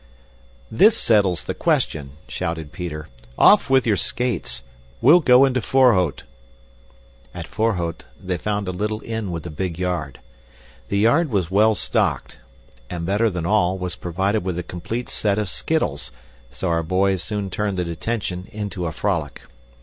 "This settles the question," shouted Peter. "Off with your skates! We'll go into Voorhout." At Voorhout they found a little inn with a big yard. The yard was well stocked, and better than all, was provided with a complete set of skittles, so our boys soon turned the detention into a frolic.